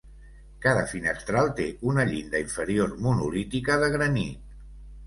Cada finestral té una llinda inferior monolítica de granit.